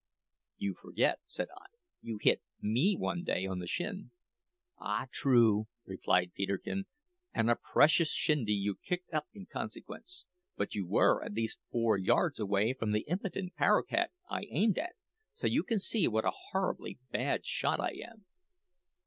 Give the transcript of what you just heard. "You forget," said I, "you hit me one day on the shin." "Ah, true!" replied Peterkin; "and a precious shindy you kicked up in consequence. But you were at least four yards away from the impudent paroquet I aimed at, so you see what a horribly bad shot I am."